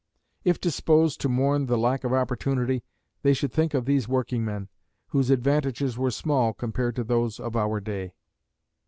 If disposed to mourn the lack of opportunity, they should think of these working men, whose advantages were small compared to those of our day.